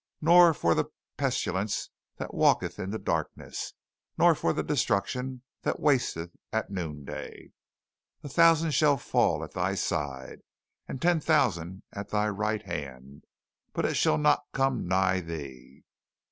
Nor for the pestilence that walketh in the darkness; nor for destruction that wasteth at noonday. "A thousand shall fall at thy side, and ten thousand at thy right hand; but it shall not come nigh thee.